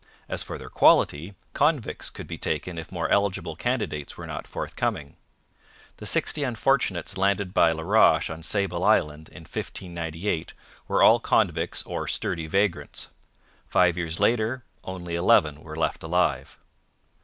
As for their quality, convicts could be taken if more eligible candidates were not forthcoming. The sixty unfortunates landed by La Roche on Sable Island in 1598 were all convicts or sturdy vagrants. Five years later only eleven were left alive.